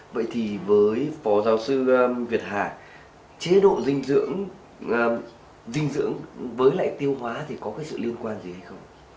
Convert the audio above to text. vậy thì với phó giáo sư việt hà chế độ dinh dưỡng với lại tiêu hóa thì có sự liên quan gì hay không